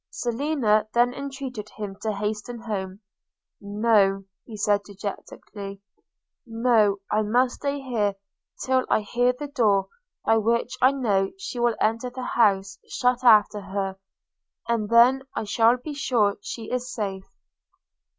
– Selina then entreated him to hasten home – 'No!' he said, dejectedly; 'No, I must stay here till I hear the door, by which I know she will enter the house, shut after her; and then I shall be sure she is safe.'